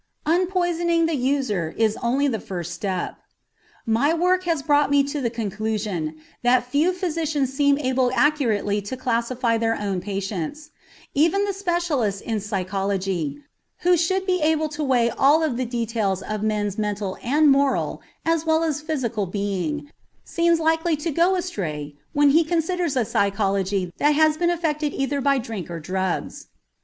UNPOISONING THE USER IS ONLY THE FIRST STEP My work has brought me to the conclusion that few physicians seem able accurately to classify their own patients. Even the specialist in psychology, who should be able to weigh all the details of men's mental and moral as well as physical being, seems likely to go astray when he considers a psychology that has been affected either by drink or drugs.